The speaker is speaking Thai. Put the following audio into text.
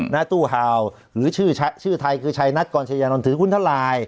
นะตู้เห่าหรือชื่อชาชื่อไทยคือชายนัดก่อนชายยานวนถือหุ้นเท่าลาย